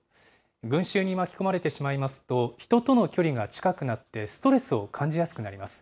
群衆に巻き込まれてしまいますと、人との距離が近くなって、ストレスを感じやすくなります。